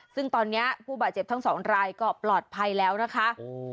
ซึ่งตอนนี้ผู้บาดเจ็บทั้งสองรายก็ปลอดภัยแล้วนะคะ